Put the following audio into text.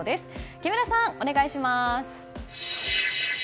木村さん、お願いします。